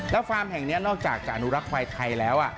แล้วฟาร์มแห่งนี้นอกจากจะอนุรักษ์ควายไทยแล้ว